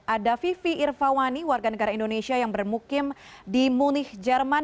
ada vivi irvawani warga negara indonesia yang bermukim di munih jerman